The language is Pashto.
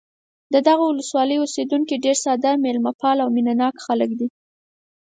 د دغه ولسوالۍ اوسېدونکي ډېر ساده، مېلمه پال او مینه ناک خلک دي.